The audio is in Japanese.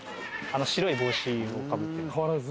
白い帽子をかぶってる。